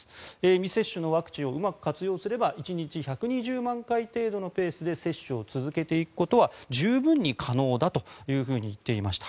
未接種のワクチンをうまく活用すれば１日１２０万回程度のペースで接種を続けていくことは十分に可能だというふうに言っていました。